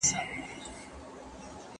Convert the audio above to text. ځکه زه د وینې د غوړو درمل خورم.